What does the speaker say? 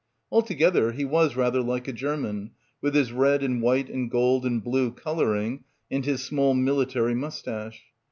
Altogether he was rather like a German, with his red and white and gold and blue colouring and his small military moustache.